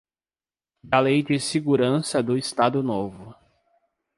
da Lei de Segurança do Estado Novo